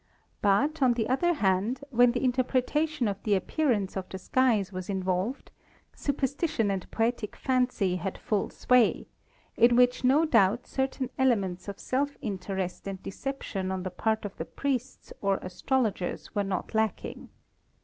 But, on the other hand, when the interpretation of the appearance of the skies was involved, superstition and poetic fancy had full sway, in which no doubt cer tain elements of self interest and deception on the part of the priests or astrologers were not lacking.